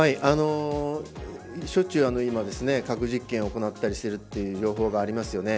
しょっちゅう今、核実験を行ったりしているという情報がありますよね。